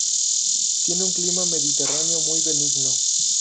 Tiene un clima mediterráneo muy benigno.